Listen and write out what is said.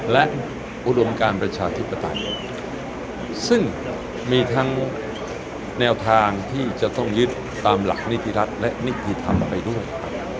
และอุดมการประชาธิปไตยซึ่งมีทั้งแนวทางที่จะต้องยึดตามหลักนิติรัฐและนิติธรรมไปด้วย